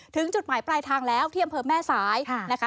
ถึงจุดหมายปลายทางแล้วที่อำเภอแม่สายนะคะ